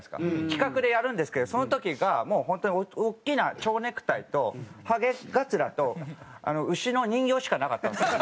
企画でやるんですけどその時がもう本当に大きな蝶ネクタイとハゲガツラと牛の人形しかなかったんですよ。